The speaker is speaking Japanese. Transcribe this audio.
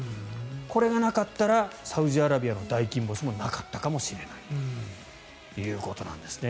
これがなかったらサウジアラビアの大金星もなかったかもしれないということなんですね。